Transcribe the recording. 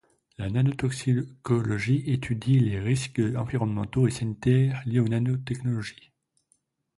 La nanotoxicologie étudie les risques environnementaux et sanitaires liés aux nanotechnologies.